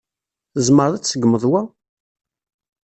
Tzemreḍ ad tseggmeḍ wa?